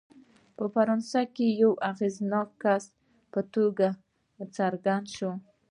په فرانسه کې د یوه اغېزناک کس په توګه راڅرګند شو.